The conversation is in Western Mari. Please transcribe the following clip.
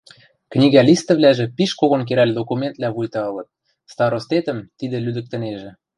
Книгӓ листӹвлӓжӹ пиш когон керӓл документвлӓ вуйта ылыт, старостетӹм тидӹ лӱдӹктӹнежӹ.